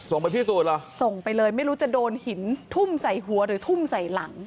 ไปพิสูจนเหรอส่งไปเลยไม่รู้จะโดนหินทุ่มใส่หัวหรือทุ่มใส่หลัง